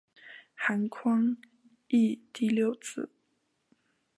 韩匡嗣第六子。